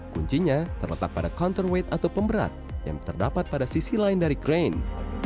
kuncinya terletak pada counterweight atau pemberat yang terdapat pada sisi lain dari crane